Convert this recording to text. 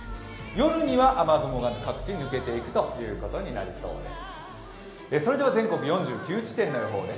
夜には雨雲が各地、抜けていくということになりそうです。